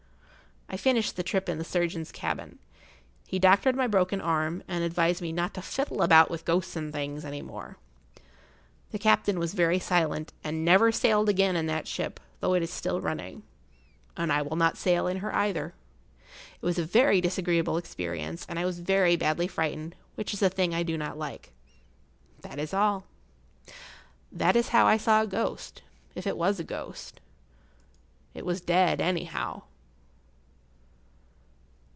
I finished the trip in the surgeon's cabin. He doctored my broken arm, and advised me not to "fiddle about with ghosts and things" any more. The captain was very silent, and never sailed again in that ship, though it is[Pg 70] still running. And I will not sail in her either. It was a very disagreeable experience, and I was very badly frightened, which is a thing I do not like. That is all. That is how I saw a ghost—if it was a ghost. It was dead, anyhow.